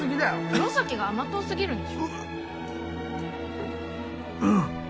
黒崎が甘党すぎるんでしょうわっ